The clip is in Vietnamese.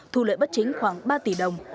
thu lợi bất chính khoảng ba tỷ đồng